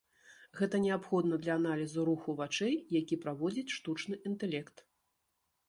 Гэта неабходна для аналізу руху вачэй, які праводзіць штучны інтэлект.